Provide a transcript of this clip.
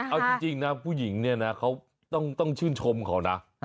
เอาจริงนะผู้หญิงเนี่ยนะเขาต้องชื่นชมเขานะ